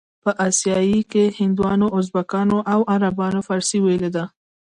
په اسیا کې هندوانو، ازبکانو او عربو فارسي ویلې ده.